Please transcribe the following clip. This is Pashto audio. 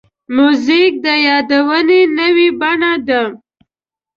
موزیک د یادونو نوې بڼه ده.